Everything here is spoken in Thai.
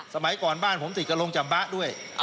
สมัยก่อนบ้านผมติดกับโรงจำบะด้วย